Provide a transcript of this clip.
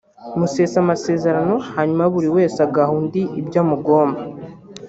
musesa amasezerano hanyuma buri wese agaha undi ibyo amugomba